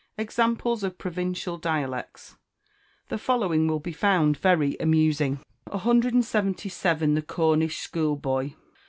Examples of Provincial Dialects. The following will be found very amusing: 177. The Cornish Schoolboy.